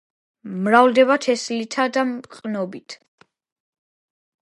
მრავლდება თესლითა და მყნობით.